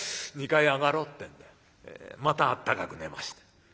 ２階へ上がろう」ってんでまたあったかく寝ました。